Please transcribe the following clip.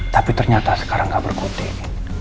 tapi ternyata sekarang gak berkutik